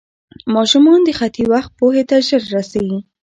ماشومان د خطي وخت پوهې ته ژر رسي.